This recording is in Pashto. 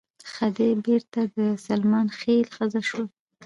خدۍ بېرته د سلیمان خېل ښځه شوه.